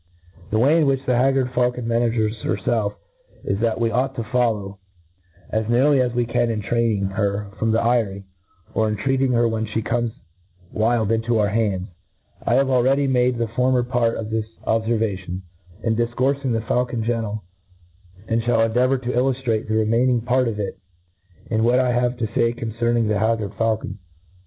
«'*^ The way in which the haggard faulcon manages hcrfelf is that we aught to toilow, as nearly as we ' <an, in training her from the eyrie, or in treat ing her when flie comes wild into our hands* I have already made the former part of this ob fervatioh, in difcourfmg of the faulcon gentle, and fhall endeavour to illuftrate the remaining part of it in what I have to fay concerning the haggard faulcon.